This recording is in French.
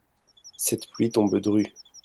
Cette pluie tombe dru.